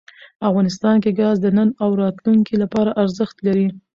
افغانستان کې ګاز د نن او راتلونکي لپاره ارزښت لري.